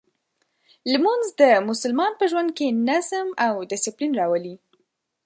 لمونځ د مسلمان په ژوند کې نظم او دسپلین راولي.